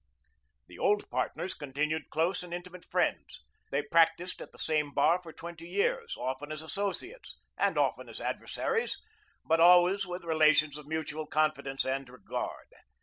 The old partners continued close and intimate friends. They practiced at the same bar for twenty years, often as associates, and often as adversaries, but always with relations of mutual confidence and regard.